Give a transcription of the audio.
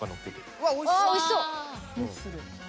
あっおいしそう！